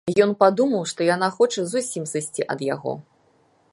Ён падумаў, што яна хоча зусім сысці ад яго.